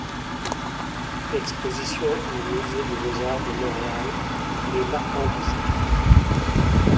Exposition au Musée des beaux-arts de Montréal qui est marquante dans sa carrière.